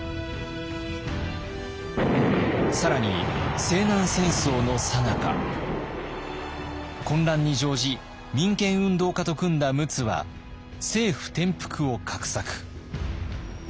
更に西南戦争のさなか混乱に乗じ民権運動家と組んだ陸奥は政府転覆を画策。